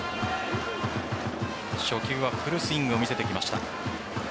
初球はフルスイングを見せてきました。